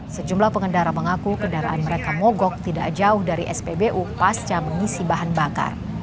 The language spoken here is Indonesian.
sejumlah pengendara mengaku kendaraan mereka mogok tidak jauh dari spbu pasca mengisi bahan bakar